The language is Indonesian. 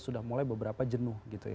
sudah mulai beberapa jenuh